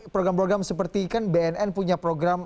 program program seperti kan bnn punya program